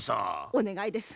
お願いです